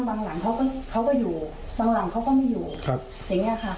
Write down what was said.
มาหาเนื้อทางการแก้ไขให้หน่อยค่ะ